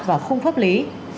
và khung pháp lý